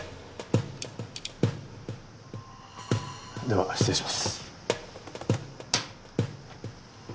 では失礼します。